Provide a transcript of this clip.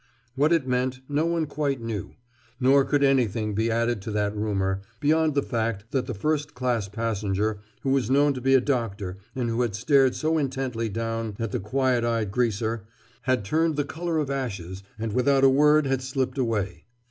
What it meant, no one quite knew. Nor could anything be added to that rumor, beyond the fact that the first class passenger, who was known to be a doctor and who had stared so intently down at the quiet eyed greaser, had turned the color of ashes and without a word had slipped away.